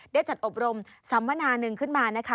ได้จัดอบรมสัมมนาหนึ่งขึ้นมานะคะ